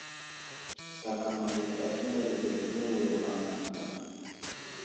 Slakama yo ahənərge nəwuro aŋgam yaŋ.